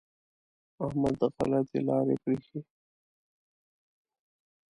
احمد غلطې لارې پرېښې.